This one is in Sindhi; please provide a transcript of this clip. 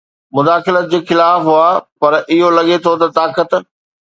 مداخلت جي خلاف هئا پر اهو لڳي ٿو ته طاقت